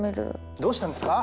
どうしたんですか？